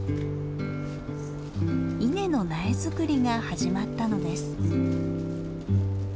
稲の苗作りが始まったのです。